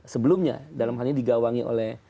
sebelumnya dalam hal ini digawangi oleh